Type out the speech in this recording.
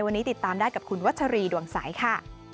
วันนี้ติดตามได้กับคุณวัชรีดวงใสค่ะ